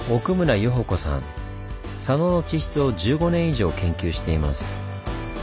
佐野の地質を１５年以上研究しています。